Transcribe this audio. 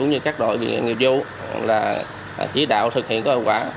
như các đội bị nghiệp vô là chỉ đạo thực hiện có hiệu quả